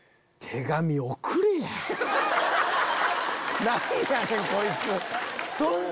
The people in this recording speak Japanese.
手紙送れや！